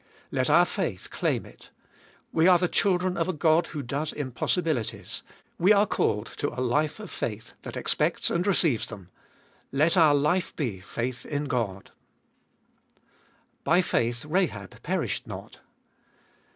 Let our faith claim it ; we are the children of a God who does impossibilities ; we are called to a life of faith that expects and receives them. Let our life be — faith in God. By faith Rahab perished not.